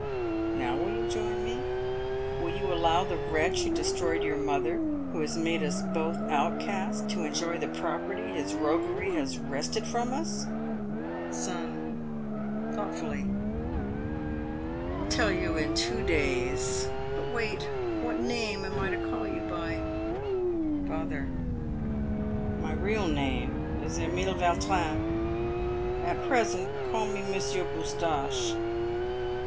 Now will you join me ? Will you allow the wretch who destroyed your mother, who has made us both outcasts, to enjoy the property his roguery has wrested from us ? Son (thoughtfully). I'll tell you in two days. But jwait! What name am I to call you by ? Father. My real name is Emile Vautrin. At present call me Monsieur Boustache.